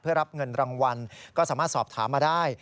เพื่อรับเงินรางวัลก็สามารถสอบถามมาได้